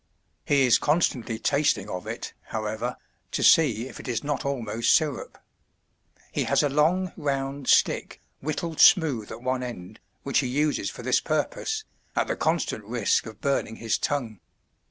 He is constantly tasting of it, however, to see if it is not almost sirup. He has a long round stick, whittled smooth at one end, which he uses for this purpose, at the constant risk of burning his tongue.